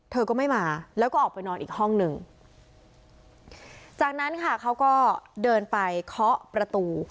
เธอก็ไม่มาแล้วก็ออกไปนอนอีกห้องหนึ่งจากนั้นค่ะเขาก็เดินไปเคาะประตู